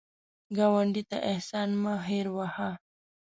ګاونډي ته احسان مه هېر وهه